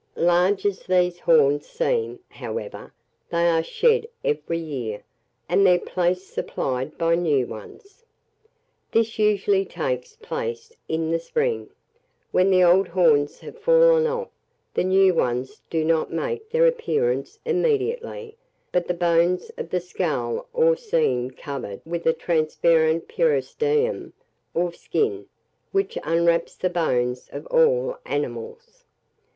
Large as these horns seem, however, they are shed every year, and their place supplied by new ones. This usually takes place in the spring. When the old horns have fallen off, the new ones do not make their appearance immediately; but the bones of the skull ore seen covered with a transparent periosteum, or skin, which enwraps the bones of all animals.